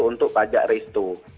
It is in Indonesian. untuk pajak restu